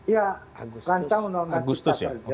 ya agustus ya